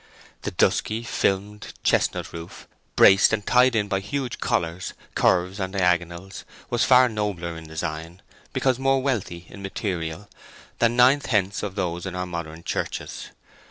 The dusky, filmed, chestnut roof, braced and tied in by huge collars, curves, and diagonals, was far nobler in design, because more wealthy in material, than nine tenths of those in our modern churches.